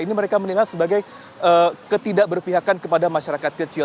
ini mereka menilai sebagai ketidakberpihakan kepada masyarakat kecil